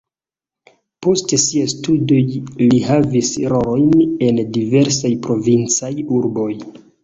Post siaj studoj li havis rolojn en diversaj provincaj urboj.